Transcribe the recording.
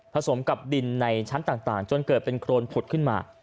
สมกับดินในชั้นต่างจนเกิดเป็นโครนผุดขึ้นมา